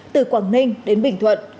từ quảng ninh đến bình thuận